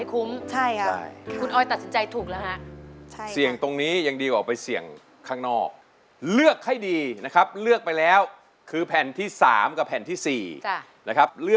แขมงหนูก็ดูดีค่ะนี่ค่ะ